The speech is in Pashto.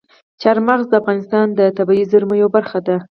چار مغز د افغانستان د طبیعي زیرمو یوه برخه ده.